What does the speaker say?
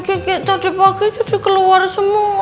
sarapan kiki tadi pagi tuh dikeluar semua deh